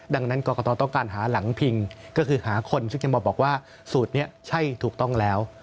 ดังนั้นกรกตต้องการหาหลังพิงก็คือหาคนซึ่งจะมาบอกว่าสูตรนี้ใช่ถูกต้องแล้ว